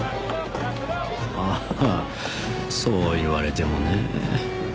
ああそう言われてもねぇ。